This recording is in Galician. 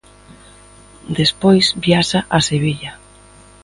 Despois viaxa a Sevilla.